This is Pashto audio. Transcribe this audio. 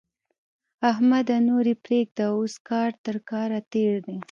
احمده! نور يې پرېږده؛ اوس کار تر کار تېر دی.